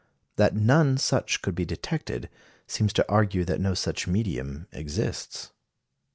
That none such could be detected seems to argue that no such medium exists.